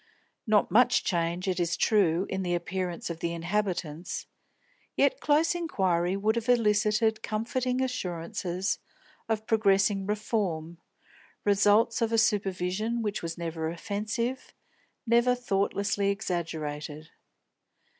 Not much change, it is true, in the appearance of the inhabitants; yet close inquiry would have elicited comforting assurances of progressing reform, results of a supervision which was never offensive, never thoughtlessly exaggerated.